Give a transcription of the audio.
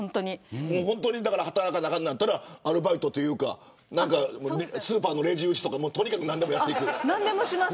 働かないといけないとなったらアルバイトとかスーパーのレジ打ちとか何でもやっていく。